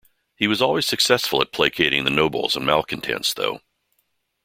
He was always successful at placating the nobles and malcontents though.